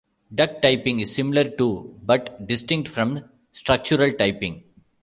Duck typing is similar to, but distinct from structural typing.